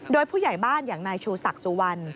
โดยผู้ใหญ่บ้านอย่างนายชูศักดิ์สุวรรณ